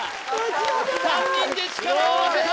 ３人で力を合わせた！